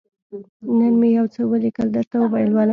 _نن مې يو څه ولېکل، درته وبه يې لولم.